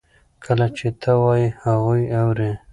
کله چې ته وایې هغوی اوري.